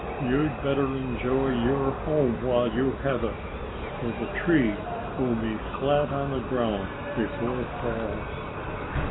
You'd better enjoy your home while you have it, for the tree will be flat on the ground before fall."